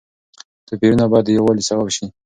توپيرونه بايد د يووالي سبب شي.